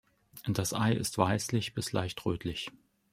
Das Ei ist weißlich bis leicht rötlich.